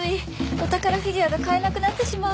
お宝フィギュアが買えなくなってしまう